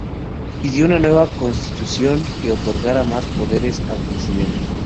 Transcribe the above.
Pidió una nueva constitución que otorgara más poderes al Presidente.